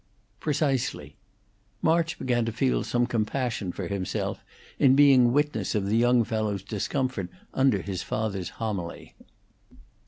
"Precisely." March began to feel some compassion for himself in being witness of the young fellow's discomfort under his father's homily.